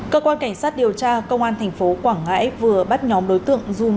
cơ quan cảnh sát điều tra công an thành phố quảng ngãi vừa bắt nhóm đối tượng dùng